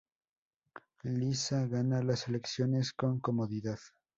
Lisa gana las elecciones con comodidad.